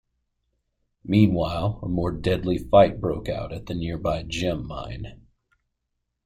Meanwhile, a more deadly fight broke out at the nearby Gem mine.